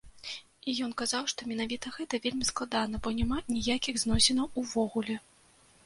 І ён казаў, што менавіта гэта вельмі складана, бо няма ніякіх зносінаў увогуле.